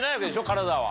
体は。